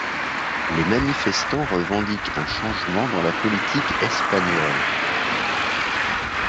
Les manifestants revendiquent un changement dans la politique espagnole.